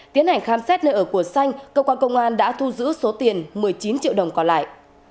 tiến hành khám xét nơi ở của xanh cơ quan công an đã thu giữ số tiền một mươi chín triệu đồng còn lại